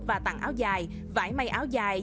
và tặng áo dài vải mây áo dài